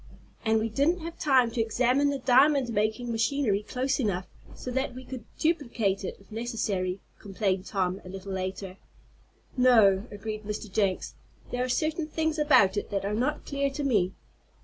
"And we didn't have time to examine the diamond making machinery close enough so that we could duplicate it if necessary," complained Tom, a little later. "No," agreed Mr. Jenks. "There are certain things about it that are not clear to me.